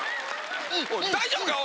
大丈夫か？